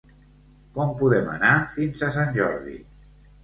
Com podem anar fins a Sant Jordi?